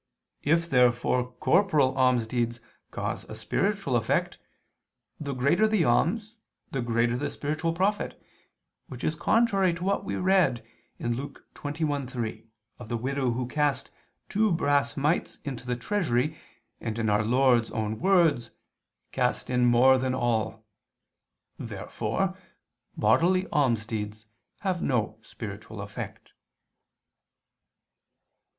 If therefore corporal almsdeeds cause a spiritual effect, the greater the alms, the greater the spiritual profit, which is contrary to what we read (Luke 21:3) of the widow who cast two brass mites into the treasury, and in Our Lord's own words "cast in more than ... all." Therefore bodily almsdeeds have no spiritual effect.